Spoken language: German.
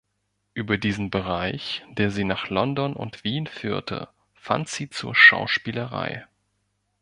Über diesen Bereich, der sie nach London und Wien führte, fand sie zur Schauspielerei.